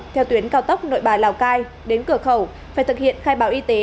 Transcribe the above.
theo tuyến cao tốc nội bài lào cai đến cửa khẩu phải thực hiện khai báo y tế